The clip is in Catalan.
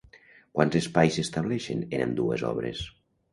Quants espais s'estableixen en ambdues obres?